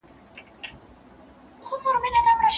هغه ورکړه باطله ده، چي زامنو ته وسي او لوڼو ته ونسي.